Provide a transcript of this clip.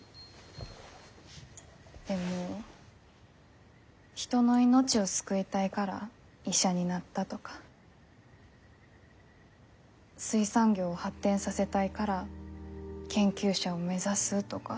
でも人の命を救いたいから医者になったとか水産業を発展させたいから研究者を目指すとか。